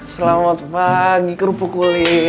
selamat pagi kerupuk kulit